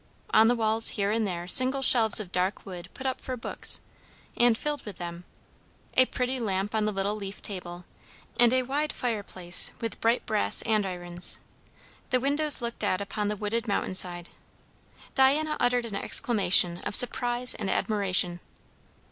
On the walls here and there single shelves of dark wood put up for books, and filled with them; a pretty lamp on the little leaf table, and a wide fireplace with bright brass andirons. The windows looked out upon the wooded mountain side. Diana uttered an exclamation of surprise and admiration.